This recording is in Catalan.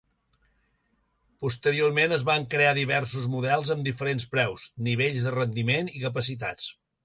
Posteriorment es van crear diversos models amb diferents preus, nivells de rendiment i capacitats.